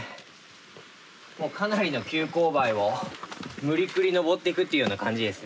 もうかなりの急勾配を無理くり登っていくっていうような感じですね。